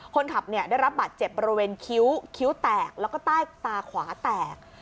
คนขับได้รับบาทเจ็บบริเวณคิ้วคิ้วแตกถ้าขวาแตก